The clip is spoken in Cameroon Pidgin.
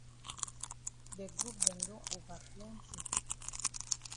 De group dem don ova plenti.